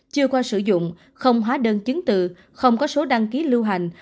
chiêu qua sử dụng không hóa đơn chứng từ không có số đăng ký liêu hành